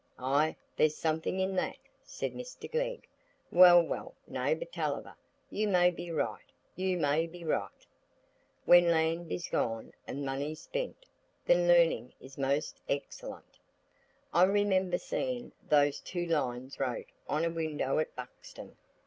"Ay, there's something in that," said Mr Glegg. "Well well, neighbour Tulliver, you may be right, you may be right: 'When land is gone and money's spent, Then learning is most excellent.' "I remember seeing those two lines wrote on a window at Buxton.